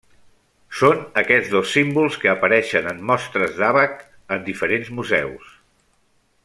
Són aquests dos símbols que apareixen en mostres d'àbac en diferents museus.